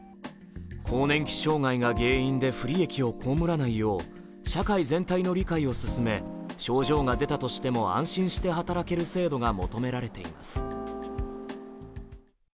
更年期障害が原因で不利益を被らないよう社会全体の理解を進め、症状が出たとしても安心して働ける制度が求められています。